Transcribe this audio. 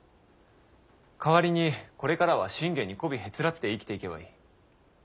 代わりにこれからは信玄にこびへつらって生きていけばいい。